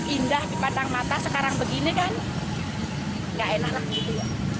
indah dipandang mata sekarang begini kan nggak enak lagi